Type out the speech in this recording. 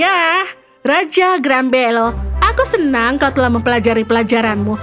ya raja grambelo aku senang kau telah mempelajari pelajaranmu